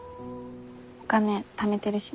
お金ためてるしね。